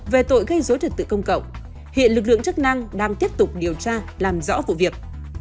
về tội gây dối trật tự công cộng hiện lực lượng chức năng đang tiếp tục điều tra làm rõ vụ việc